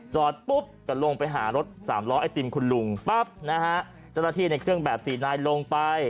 จอดปุ๊บก็ลงไปหารถสามล้อไอติมคุณลุงปั๊บนะฮะเจ้าหน้าที่ในเครื่องแบบสี่นายลงไป